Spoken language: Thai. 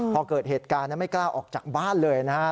พอเกิดเหตุการณ์ไม่กล้าออกจากบ้านเลยนะครับ